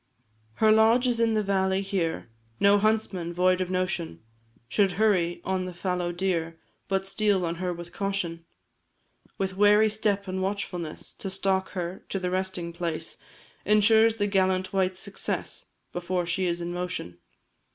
Her lodge is in the valley here No huntsman, void of notion, Should hurry on the fallow deer, But steal on her with caution; With wary step and watchfulness To stalk her to her resting place, Insures the gallant wight's success, Before she is in motion.